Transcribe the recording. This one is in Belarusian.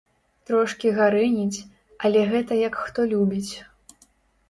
Трошкі гарэніць, але гэта як хто любіць.